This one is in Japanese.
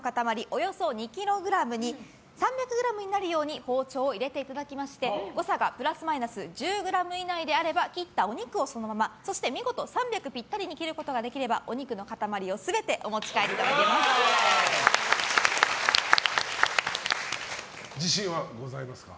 およそ２ｋｇが３００ｇになるように包丁を入れていただきまして誤差がプラスマイナス１０ｇ以内であれば切ったお肉をそのままそして見事３００ｇぴったりに切ることができればお肉の塊全て自信はございますか？